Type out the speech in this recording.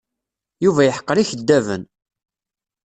Yuba yeḥqer ikeddaben.